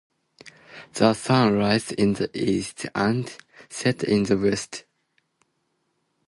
The sun rises in the east and sets in the west.